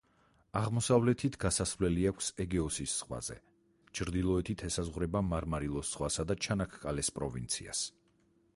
აღმოსავლეთით გასასვლელი აქვს ეგეოსის ზღვაზე, ჩრდილოეთით ესაზღვრება მარმარილოს ზღვასა და ჩანაქკალეს პროვინციას.